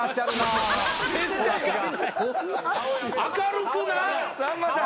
明るくな！